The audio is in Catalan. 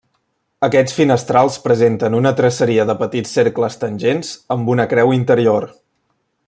Aquests finestrals presenten una traceria de petits cercles tangents amb una creu interior.